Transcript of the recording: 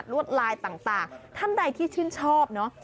วดลายต่างท่านใดที่ชื่นชอบเนอะ